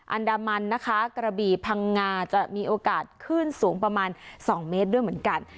อันดามันนะคะกระบี่พังงาจะมีโอกาสขึ้นสูงประมาณ๒เมตรด้วยเหมือนกัน